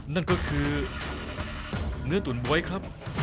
นั่นก็คือเนื้อตุ๋นบ๊วยครับ